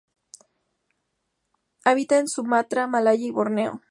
Habita en Sumatra, Malaya y Borneo.